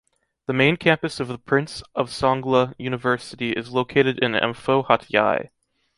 The main campus of the Prince of Songkla University is located in Amphoe Hat Yai.